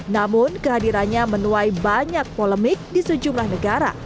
namun kehadirannya menuai banyak polemik di sejumlah negara